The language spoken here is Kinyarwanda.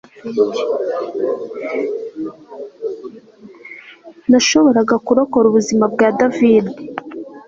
Nashoboraga kurokora ubuzima bwa David